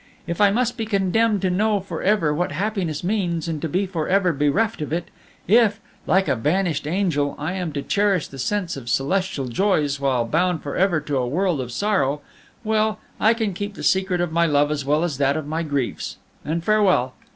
If I must be condemned to know for ever what happiness means, and to be for ever bereft of it; if, like a banished angel, I am to cherish the sense of celestial joys while bound for ever to a world of sorrow well, I can keep the secret of my love as well as that of my griefs. And farewell!